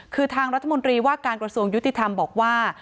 คือทางรัฐมนตรีว่าการกระทรวงยุติธรรมบอกว่า